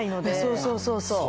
そうそうそうそう。